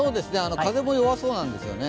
風も弱そうなんですよね。